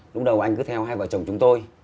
lúc đầu anh cứ theo hai vợ chồng chúng tôi